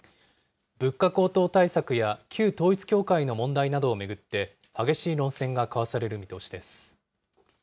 物価高騰対策や、旧統一教会の問題などを巡って、激しい論戦が交わされる見通しです。